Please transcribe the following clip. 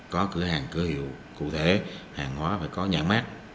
có cửa hàng cửa hiệu cụ thể hàng hóa phải có nhãn mát